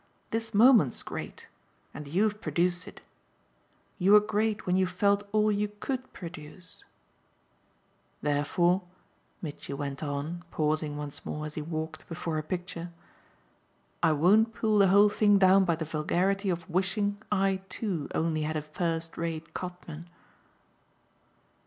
This moment's great and you've produced it. You were great when you felt all you COULD produce. Therefore," Mitchy went on, pausing once more, as he walked, before a picture, "I won't pull the whole thing down by the vulgarity of wishing I too only had a first rate Cotman."